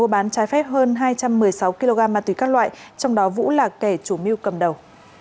bán trái phép hơn hai trăm một mươi sáu kg ma túy các loại trong đó vũ là kẻ chủ mưu cầm đầu